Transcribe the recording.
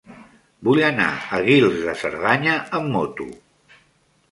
Vull anar a Guils de Cerdanya amb moto.